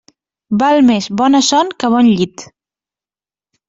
Val més bona son que bon llit.